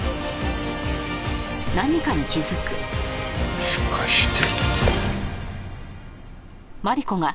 もしかして。